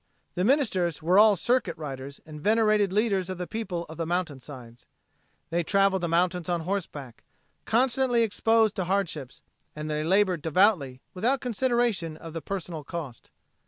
The ministers were all circuit riders and venerated leaders of the people of the mountainsides. They traveled the mountains on horseback, constantly exposed to hardships, and they labored devoutly without consideration of the personal cost.